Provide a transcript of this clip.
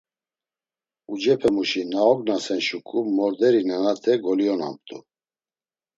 Ucepemuşi na ognasen şuǩu morderi nenate goliyonamt̆u.